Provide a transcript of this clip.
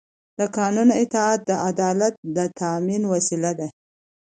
د قانون اطاعت د عدالت د تأمین وسیله ده